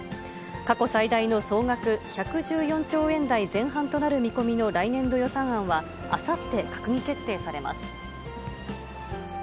過去最大の総額１１４兆円台前半となる見込みの来年度予算案は、あさって閣議決定されます。